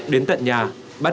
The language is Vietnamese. đến tận nhà